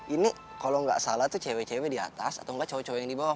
ini kalo gak salah tuh cewek cewek di atas atau gak cewek cewek yang di bawah